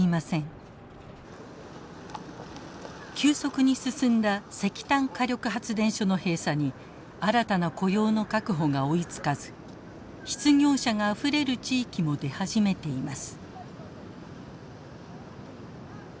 急速に進んだ石炭火力発電所の閉鎖に新たな雇用の確保が追いつかず失業者があふれる地域も出始めています。